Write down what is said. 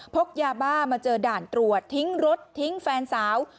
กยาบ้ามาเจอด่านตรวจทิ้งรถทิ้งแฟนสาว